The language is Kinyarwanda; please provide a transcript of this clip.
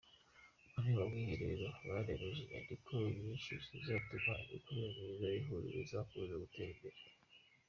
Muri uwo mwiherero, banemeje inyandiko nyinshi zizatuma imikorere myiza y’Ihuriro izakomeza gutera imbere.